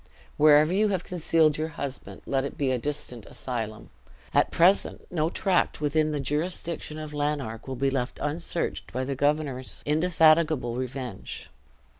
Wherever you have concealed your husband, let it be a distant asylum. At present no tract within the jurisdiction of Lanark will be left unsearched by the governor's indefatigable revenge."